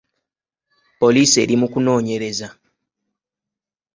Poliisi eri mu kunoonyereza.